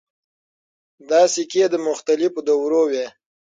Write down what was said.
دا سکې د مختلفو دورو وې